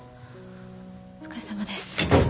お疲れさまです。